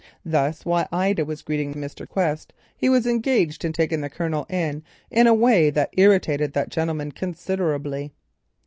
Thus while Ida was greeting Mr. Quest, he was engaged in taking in the Colonel in a way which irritated that gentleman considerably.